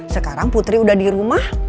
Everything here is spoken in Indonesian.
sekarang putri udah di rumah